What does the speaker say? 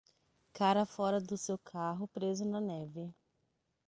Cara fora do seu carro preso na neve.